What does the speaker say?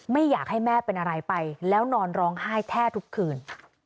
ไม่อยากให้แม่เป็นอะไรไปแล้วนอนร้องไห้แทบทุกคืน